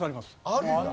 あるんだ。